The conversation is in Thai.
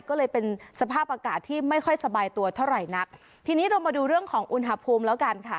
ก็เลยเป็นสภาพอากาศที่ไม่ค่อยสบายตัวเท่าไหร่นักทีนี้เรามาดูเรื่องของอุณหภูมิแล้วกันค่ะ